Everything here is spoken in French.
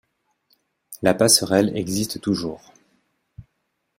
La passerelle existe toujours.